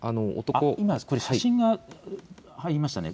写真が入りましたね。